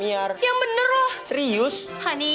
iya apaan sih